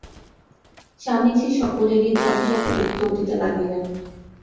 স্বামীজী সকলেরই যথাযথ উত্তর দিতে লাগিলেন।